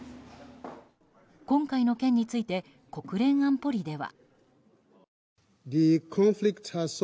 今回の件について国連安保理では。